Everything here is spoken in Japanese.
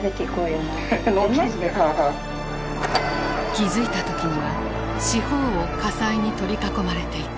気付いた時には四方を火災に取り囲まれていた。